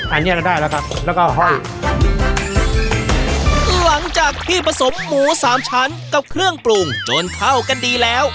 อันนี้เราได้แล้วครับแล้วก็ห้อยหลังจากที่ผสมหมูสามชั้นกับเครื่องปรุงจนเข้ากันดีแล้ว